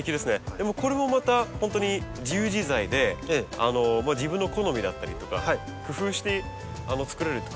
でもこれもまた本当に自由自在で自分の好みだったりとか工夫して作れるからいいですね。